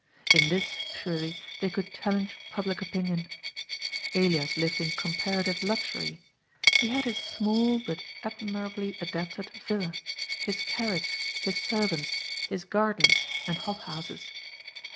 In this, surely, they could challenge public opinion. Elias lived in com parative luxury. He had his small, but admirably adapted, villa, his carriage, his servants, his gardens, and hot houses.